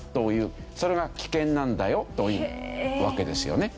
それが危険なんだよというわけですよね。